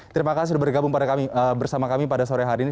terima kasih sudah bergabung bersama kami pada sore hari ini